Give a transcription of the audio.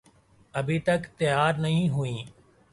ابھی تک تیار نہیں ہوئیں؟